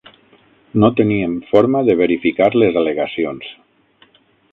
No teníem forma de verificar les al·legacions.